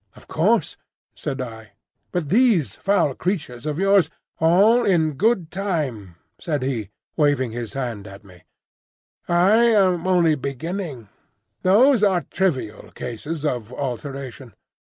"Of course," said I. "But these foul creatures of yours—" "All in good time," said he, waving his hand at me; "I am only beginning. Those are trivial cases of alteration.